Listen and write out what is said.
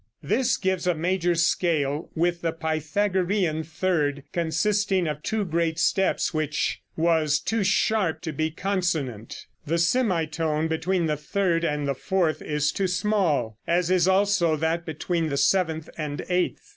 This gives a major scale, with the Pythagorean third, consisting of two great steps, which was too sharp to be consonant. The semitone between the third and the fourth is too small, as is also that between the seventh and eighth.